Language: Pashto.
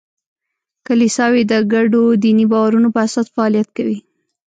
کلیساوې د ګډو دیني باورونو په اساس فعالیت کوي.